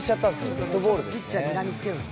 デッドボールですね。